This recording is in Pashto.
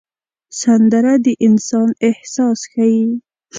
سندره د انسان احساس ښيي